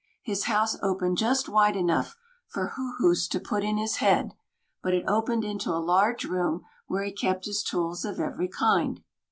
His house opened just wide enough for Hūhuss to put in his head; but it opened into a large room where he kept his tools of every kind.